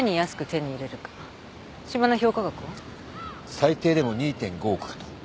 最低でも２．５億かと。